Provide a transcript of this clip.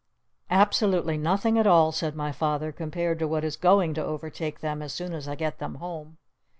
"Absolutely nothing at all," said my Father, "compared to what is going to overtake them as soon as I get them home!"